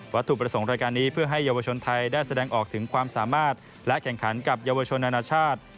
ถูกประสงค์รายการนี้เพื่อให้เยาวชนไทยได้แสดงออกถึงความสามารถและแข่งขันกับเยาวชนนานาชาติ